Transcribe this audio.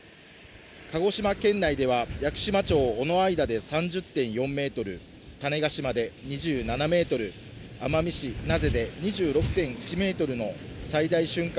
鹿児島県内では屋久島町尾之間で３０．４メートル、種子島で２７メートル、奄美市名瀬で２６．１メートルの最大瞬間